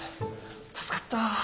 助かった。